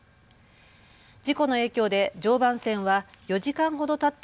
事故の影響で常磐線は４時間ほどたった